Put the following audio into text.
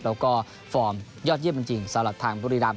แล้วก็ฟอร์มยอดเยี่ยมจริงสำหรับทางบุรีราม